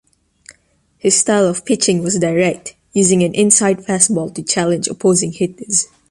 His style of pitching was direct; using an inside fastball to challenge opposing hitters.